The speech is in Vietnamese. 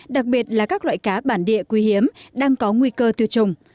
đặc biệt là các loại cá bản địa quý hiếm đang có nguy cơ tiêu trùng